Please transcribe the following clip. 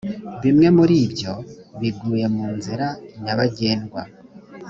bimwe muri ibyo biguye mu nzira nyabagendwa